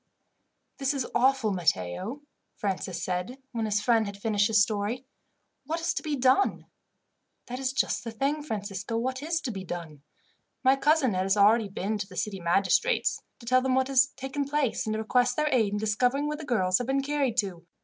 "This is awful, Matteo," Francis said, when his friend had finished his story. "What is to be done?" "That is just the thing, Francisco. What is to be done? My cousin has been already to the city magistrates, to tell them what has taken place, and to request their aid in discovering where the girls have been carried to.